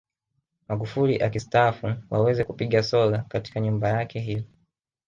Magufuli akistaafu waweze kupiga soga katika nyumba yake hiyo